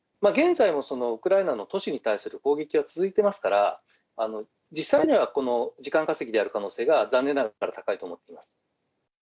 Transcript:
現在もウクライナの都市に対する攻撃は続いていますから、実際には時間稼ぎである可能性が残念ながら高いと思っています。